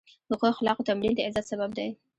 د ښو اخلاقو تمرین د عزت سبب دی.